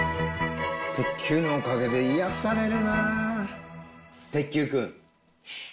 鉄球のおかげで癒やされるな。